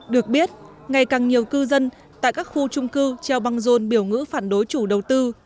được biết ngày càng nhiều cư dân tại các khu trung cư treo băng rôn biểu ngữ phản đối chủ đầu tư